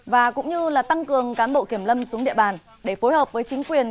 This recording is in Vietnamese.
và cũng như tăng cường cán bộ kiểm lâm xuống địa bàn để phối hợp với chính quyền